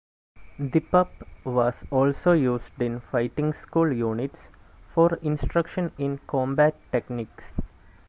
The Pup was also used in Fighting School units for instruction in combat techniques.